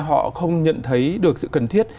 họ không nhận thấy được sự cần thiết